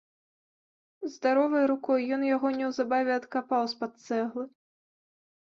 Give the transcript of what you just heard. Здаровай рукой ён яго неўзабаве адкапаў з-пад цэглы.